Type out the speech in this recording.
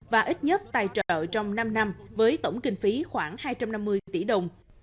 và ít nhất tài trợ trong năm năm với tổng kinh phí khoảng hai trăm năm mươi tỷ đồng